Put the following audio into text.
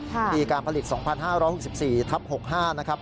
ปีการผลิต๒๕๖๔ทับ๖๕นะครับ